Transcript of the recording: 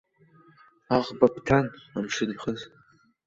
Аӷба бҭан, амшын ихыз.